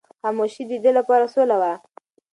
خاموشي د ده لپاره سوله وه.